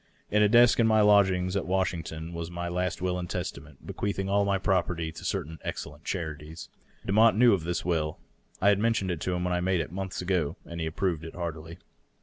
In a desk in my lodgings at Wash ington was my last will and testament, bequeathing all my property to certain excellent charities. Demotte knew of this will; I had men tioned it to him when I made it, monlhs ago, and he had approved it heartily.